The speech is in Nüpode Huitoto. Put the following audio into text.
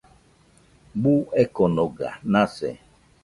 Buu ekonoga nase